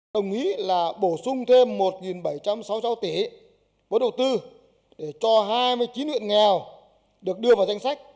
đồng ý là bổ sung thêm một bảy trăm sáu mươi sáu tỷ vốn đầu tư để cho hai mươi chín huyện nghèo được đưa vào danh sách